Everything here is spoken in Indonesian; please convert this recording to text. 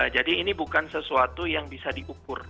jadi ini bukan sesuatu yang bisa diukur